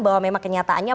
bahwa memang kenyataannya